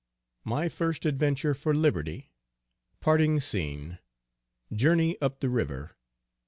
_My first adventure for liberty. Parting Scene. Journey up the river.